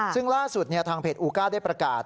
ซึ่งล่าสุดทางเพจอูก้าได้ประกาศ